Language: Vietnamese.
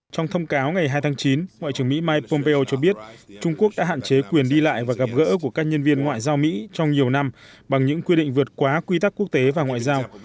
trong thông cáo ngày hai tháng chín ngoại trưởng mỹ mike pompeo cho biết trung quốc đã hạn chế quyền đi lại và gặp gỡ của các nhân viên ngoại giao mỹ trong nhiều năm bằng những quy định vượt quá quy tắc quốc tế và ngoại giao